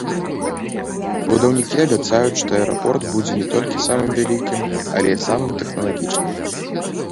Будаўнікі абяцаюць, што аэрапорт будзе не толькі самым вялікім, але і самым тэхналагічным.